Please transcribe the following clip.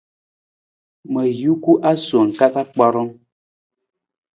Ma juku asowang ka ka kparang.